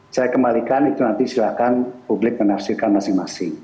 saya kembalikan itu nanti silahkan publik menafsirkan masing masing